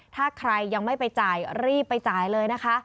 ถ้าใครยังไม่ไปจ่ายรีบไปจ่ายเลยนะคะ